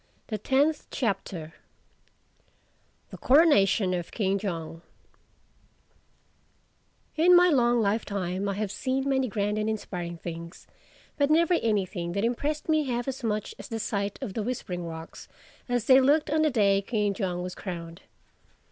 THE TENTH CHAPTER THE CORONATION OF KING JONG IN my long lifetime I have seen many grand and inspiring things, but never anything that impressed me half as much as the sight of the Whispering Rocks as they looked on the day King Jong was crowned.